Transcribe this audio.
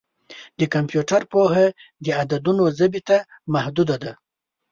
د کمپیوټر پوهه د عددونو ژبې ته محدوده ده.